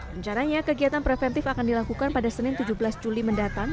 rencananya kegiatan preventif akan dilakukan pada senin tujuh belas juli mendatang